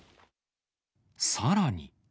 さらに。